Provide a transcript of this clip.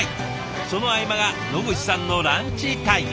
その合間が野口さんのランチタイム。